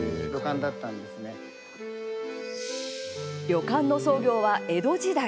旅館の創業は江戸時代。